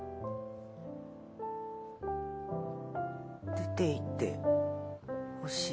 出ていってほしい？